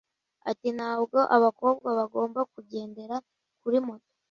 ati ntabwo abakobwa bagomba kugendera kuri moto